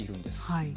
はい。